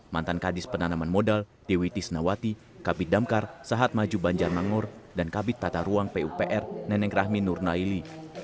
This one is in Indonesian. mantan kadis penanaman modal dewi tisnawati kabit damkar sahat maju banjar mangur dan kabit tata ruang pupr neneng rahmin nurnaili